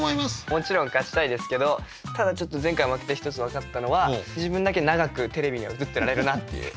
もちろん勝ちたいですけどただ前回負けて一つ分かったのは自分だけ長くテレビには映ってられるなっていう。